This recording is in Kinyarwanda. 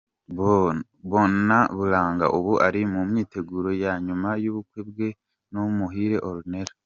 Bonny Buranga ubu ari mu myiteguro ya nyuma y’ubukwe bwe na Umuhire Ornella.